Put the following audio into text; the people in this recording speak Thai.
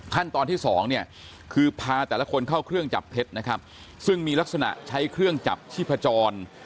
ขั้นตอนที่สองเนี่ยคือพาแต่ละคนเข้าเครื่องจับเท็จนะครับซึ่งมีลักษณะใช้เครื่องจับชีพจร